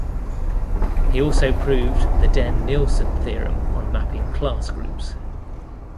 He also proved the Dehn-Nielsen theorem on mapping class groups.